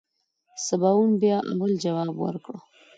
سباوون بيا اول ځواب ورکړ.